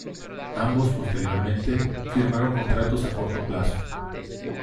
Ambos posteriormente firmaron contratos a corto plazo.